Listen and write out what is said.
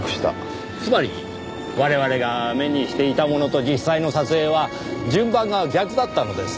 つまり我々が目にしていたものと実際の撮影は順番が逆だったのです。